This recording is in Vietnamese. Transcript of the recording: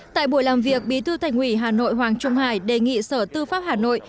tại buổi làm việc bí thư thành ủy hà nội hoàng trung hải đề nghị sở tư pháp hà nội